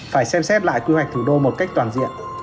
phải xem xét lại quy hoạch thủ đô một cách toàn diện